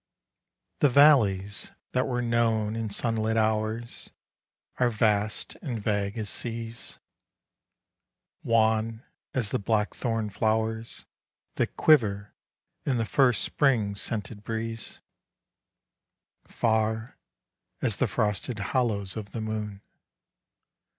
THE valleys that were known in sunlit hours Are vast and vague as seas : Wan as the blackthorn flowers That quiver in the first spring scented breeze: Far as the frosted hollows of the moon.